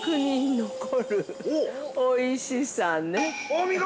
◆お見事！